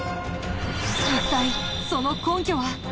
一体その根拠は！？